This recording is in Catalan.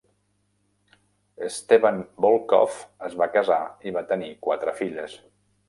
Esteban Volkov es va casar i va tenir quatre filles.